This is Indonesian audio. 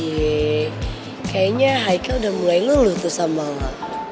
giee kayaknya haike udah mulai ngeluh tuh sama ma